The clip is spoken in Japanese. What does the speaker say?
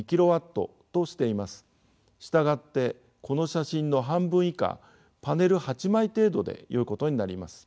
従ってこの写真の半分以下パネル８枚程度でよいことになります。